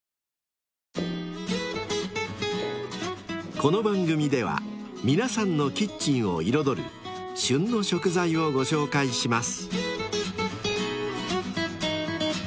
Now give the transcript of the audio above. ［この番組では皆さんのキッチンを彩る「旬の食材」をご紹介します］